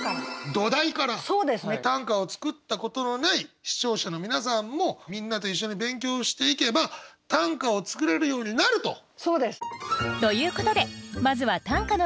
短歌を作ったことのない視聴者の皆さんもみんなと一緒に勉強していけば短歌を作れるようになると。ということでまずは短歌のルールをおさらい。